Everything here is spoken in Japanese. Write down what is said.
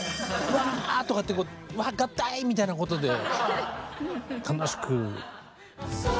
わあとかってこうわあ合体みたいなことで楽しく。